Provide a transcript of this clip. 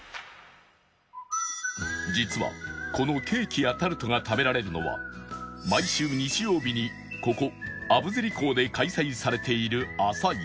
実はこのケーキやタルトが食べられるのは毎週日曜日にここあぶずり港で開催されている朝市